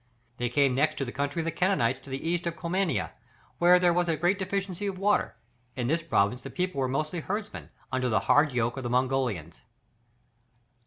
They came next to the country of the Kangites to the east of Comania, where there was a great deficiency of water; in this province the people were mostly herdsmen, under the hard yoke of the Mongolians.